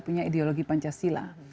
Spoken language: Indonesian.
punya ideologi pancasila